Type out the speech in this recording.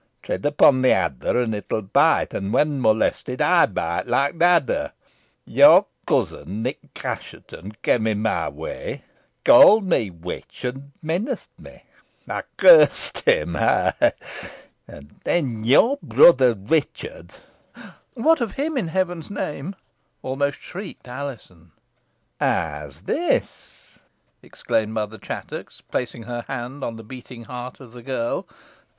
Tread upon the adder and it will bite; and, when molested, I bite like the adder. Your cousin, Nick Assheton, came in my way, called me 'witch,' and menaced me. I cursed him ha! ha! And then your brother, Richard " [Illustration: MOTHER CHATTOX, ALIZON, AND DOROTHY.] "What of him, in Heaven's name?" almost shrieked Alizon. "How's this?" exclaimed Mother Chattox, placing her hand on the beating heart of the girl.